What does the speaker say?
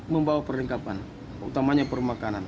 membawa perlengkapan utamanya permakanan